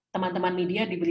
teman teman media diberi